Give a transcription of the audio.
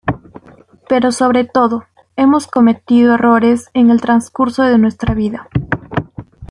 Pero sobre todo, hemos cometido errores en el transcurso de nuestra vida.